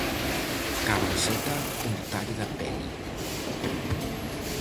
Cabe resaltar un detalle da peli.